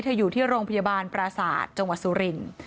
อยู่ที่โรงพยาบาลปราศาสตร์จังหวัดสุรินทร์